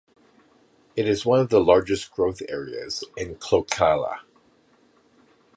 It is one of the largest growth areas in Klaukkala.